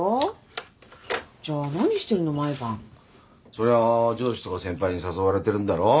そりゃ上司とか先輩に誘われてるんだろ。